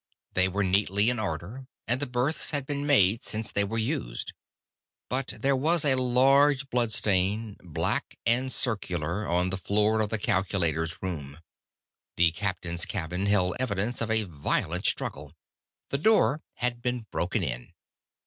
They were neatly in order, and the berths had been made since they were used. But there was a large bloodstain, black and circular, on the floor of the calculator's room. The captain's cabin held evidence of a violent struggle. The door had been broken in.